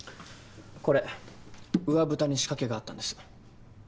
これ上蓋に仕掛けがあったんです。